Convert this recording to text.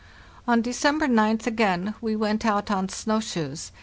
On December gth again we went out on snow shoes.